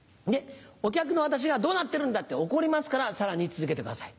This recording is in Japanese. お客の私が「どうなってるんだ」って怒りますからさらに続けてください。